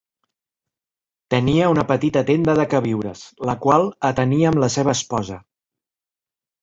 Tenia una petita tenda de queviures la qual atenia amb la seva esposa.